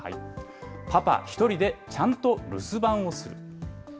パパ１人でちゃんと留守番をする。